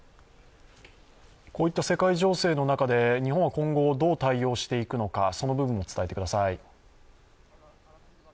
こういった世界情勢の中で日本は今後、どうやって対応していくのかその部分も伝えてください。